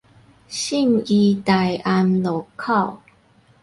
信義大安路口